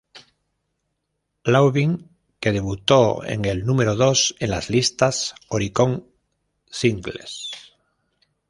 Loving", que debutó en el número dos en las listas Oricon singles.